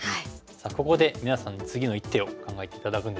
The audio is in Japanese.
さあここで皆さんに次の一手を考えて頂くんですけども。